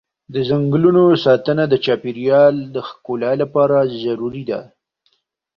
د ځنګلونو ساتنه د چاپېر یال د ښکلا لپاره ضروري ده.